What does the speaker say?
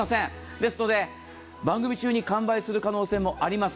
ですので、番組中に完売する可能性もあります。